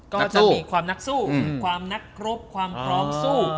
ก็จะมีความนักสู้ความนักครบความพร้อมสู้